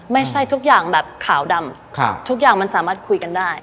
ทุกอย่างแบบขาวดำทุกอย่างมันสามารถคุยกันได้